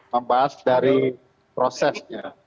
membahas dari prosesnya